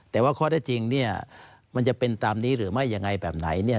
แต่ว่าข้อได้จริงเนี่ยมันจะเป็นตามนี้หรือไม่ยังไงแบบไหนเนี่ย